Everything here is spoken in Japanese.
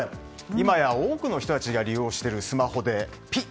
今や多くの人たちが利用しているスマホで、ピッ。